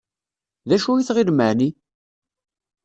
D acu i tɣilem εni?